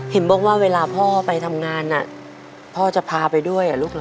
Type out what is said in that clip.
เห็นบอกว่าเวลาพ่อไปทำงานพ่อจะพาไปด้วยเหรอลูกเหรอ